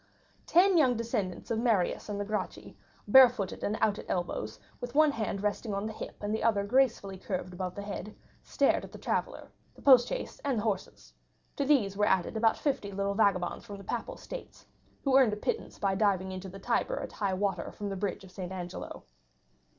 Ten young descendants of Marius and the Gracchi, barefooted and out at elbows, with one hand resting on the hip and the other gracefully curved above the head, stared at the traveller, the post chaise, and the horses; to these were added about fifty little vagabonds from the Papal States, who earned a pittance by diving into the Tiber at high water from the bridge of St. Angelo.